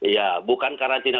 ya bukan karantina